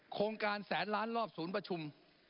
โครงการแสนล้านรอบศูนย์ประชุม